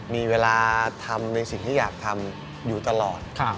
มีเวลาทำในสิ่งที่อยากทำอยู่ตลอด